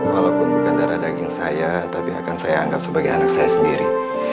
walaupun bukan darah daging saya tapi akan saya anggap sebagai anak saya sendiri